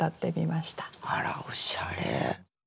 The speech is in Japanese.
あらおしゃれ。